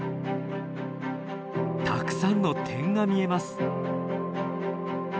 たくさんの点が見えます。